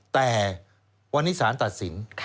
แต่วันนี้สารตัดสิน